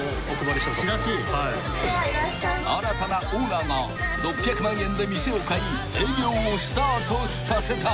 ［新たなオーナーが６００万円で店を買い営業をスタートさせた］